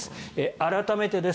改めてです。